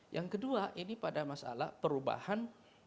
yang kedua ini pada masalah perubahan